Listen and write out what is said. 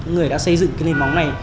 người đã xây dựng cái niềm máu này